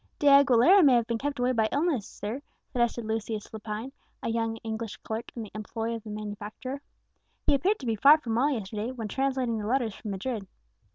"De Aguilera may have been kept away by illness, sir," suggested Lucius Lepine, a young English clerk in the employ of the manufacturer. "He appeared to be far from well yesterday, when translating the letters from Madrid."